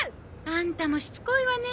アンタもしつこいわね。